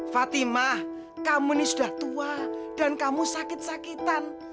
fatimah kamu ini sudah tua dan kamu sakit sakitan